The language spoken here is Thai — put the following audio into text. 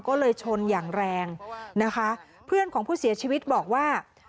ก็เลยชนอย่างแรงนะคะเพื่อนของผู้เสียชีวิตบอกว่า